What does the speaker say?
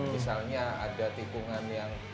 misalnya ada tikungan yang